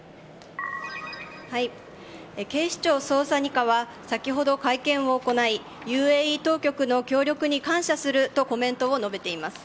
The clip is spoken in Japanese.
警視庁捜査２課は先ほど、会見を行いＵＡＥ当局の協力に感謝するとコメントを述べています。